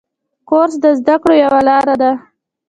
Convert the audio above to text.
کورس د زده کړو یوه لاره ده.